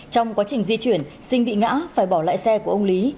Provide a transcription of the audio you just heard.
trong quá trình di chuyển sinh bị ngã phải bỏ lại xe của ông lý